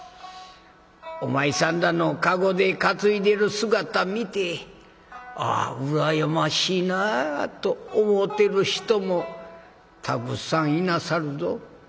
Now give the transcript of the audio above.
お前さんらの駕籠で担いでる姿見てあ羨ましいなあと思うてる人もたくさんいなさるぞ。